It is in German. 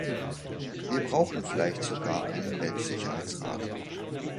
Wir brauchen vielleicht sogar einen Weltsicherheitsrat.